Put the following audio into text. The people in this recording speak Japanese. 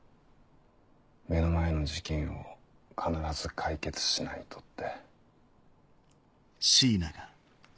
目の前の事件を必ず解決しないとって。